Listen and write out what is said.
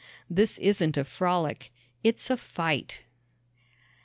This isn't a frolic. It's a fight.